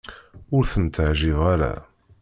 Ur tent-ɛjibeɣ ara.